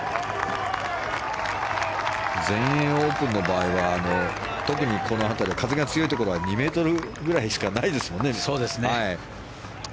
全英オープンの場合は特に、この辺り風が強いところは２ｍぐらいしかないですからね。